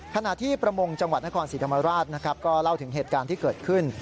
ขณะที่ประมงจังหวัดนครศรีธรรมราชนะครับก็เล่าถึงเหตุการณ์ที่เกิดขึ้น